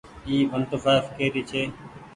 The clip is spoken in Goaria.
اي ونٽو ڦآئڦ ڪي ري ڇي۔